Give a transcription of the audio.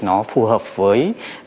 nó phù hợp với